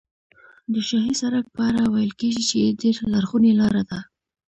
د شاهي سړک په اړه ویل کېږي چې ډېره لرغونې لاره ده.